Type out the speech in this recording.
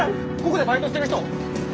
ここでバイトしてる人？